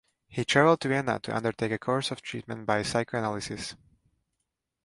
He traveled to Vienna to undertake a course of treatment by psychoanalysis.